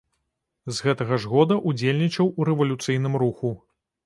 З гэта ж года ўдзельнічаў у рэвалюцыйным руху.